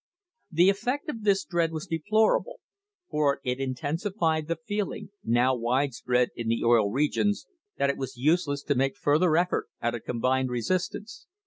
The effect of this dread was deplorable, for it intensified the feeling, now wide spread in the Oil Regions, that it was useless to make further effort at a combined resistance.